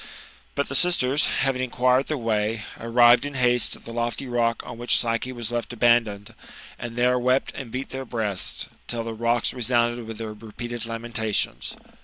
But the sisters, having inquired the way, arrived in haste at the lofty rock on which Psyche was left abandoned, and there wept and beat their breasts till the rocks resounded with their repeated lamentations.